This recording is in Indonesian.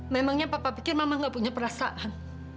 memangnya papa pikir mama gak punya perasaan